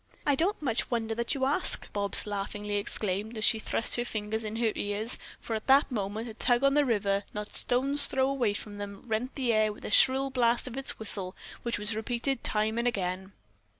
"I don't much wonder that you ask," Bobs laughingly exclaimed, as she thrust her fingers in her ears, for at that moment a tug on the river, not a stone's throw away from them, rent the air with a shrill blast of its whistle, which was repeated time and again.